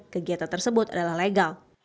kegiatan tersebut adalah legal